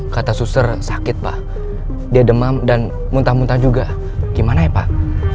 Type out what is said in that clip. kata suster sakit pak dia demam dan muntah muntah juga gimana ya pak